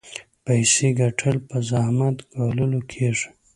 پيسې ګټل په زحمت ګاللو کېږي.